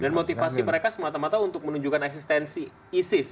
dan motivasi mereka semata mata untuk menunjukkan eksistensi isis